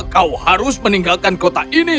kau harus meninggalkan kota ini